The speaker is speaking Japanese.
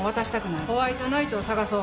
ホワイトナイトを探そう。